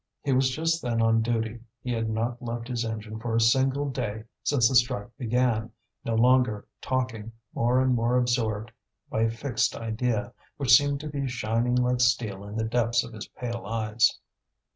He was just then on duty; he had not left his engine for a single day since the strike began, no longer talking, more and more absorbed by a fixed idea, which seemed to be shining like steel in the depths of his pale eyes.